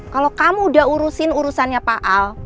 kalau kamu udah urusin urusannya pak al